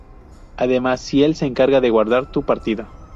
Además, Ciel se encarga de guardar tu partida.